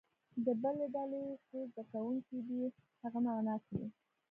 د بلې ډلې څو زده کوونکي دې هغه معنا کړي.